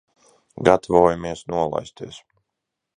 Gatavojamies nolaisties.